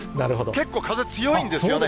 結構風、強いんですよね。